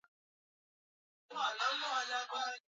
wa raslimali ugawaji ya mali